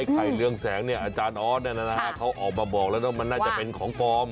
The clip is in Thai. ใครเรื่องแสงเนี่ยอาจารย์ออสเขาออกมาบอกแล้วมันน่าจะเป็นของปลอม